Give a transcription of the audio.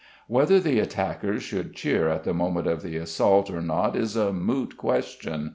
Whether the attackers should cheer at the moment of the assault or not is a moot question.